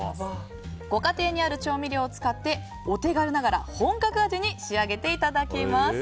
ご家庭にある調味料を使ってお手軽ながら本格味に仕上げていただきます。